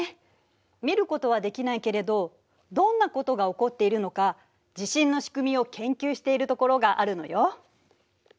見ることはできないけれどどんなことが起こっているのか地震の仕組みを研究しているところがあるのよ。